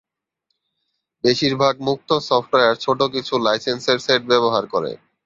বেশিরভাগ মুক্ত সফটওয়্যার ছোট কিছু লাইসেন্সের সেট ব্যবহার করে।